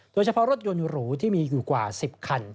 โดยเฉพาะรถยนต์หรูที่มีอยู่กว่า๑๐คัน